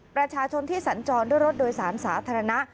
ประชาชนที่สัญจรด้วยรถโดยสารสาธารณะ